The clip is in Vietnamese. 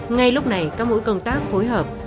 ngay lúc này các mũi công tác phối hợp